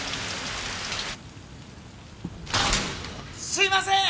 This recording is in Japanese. すいませーん！